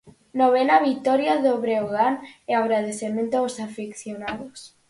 Novena vitoria do Breogán e agradecemento aos afeccionados.